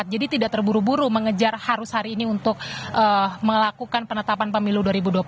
jadi tidak terburu buru mengejar harus hari ini untuk melakukan penetapan pemilu dua ribu dua puluh empat